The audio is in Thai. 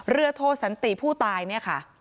โทสันติผู้ตายเนี่ยค่ะ